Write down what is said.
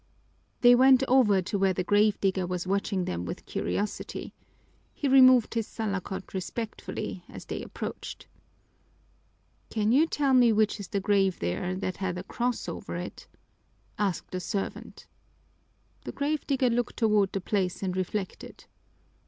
They went over to where the grave digger was watching them with curiosity. He removed his salakot respectfully as they approached. "Can you tell me which is the grave there that had a cross over it?" asked the servant. The grave digger looked toward the place and reflected.